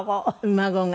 孫が。